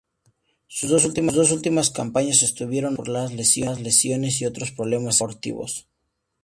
Sus dos últimas campañas estuvieron marcadas por las lesiones y otros problemas extradeportivos.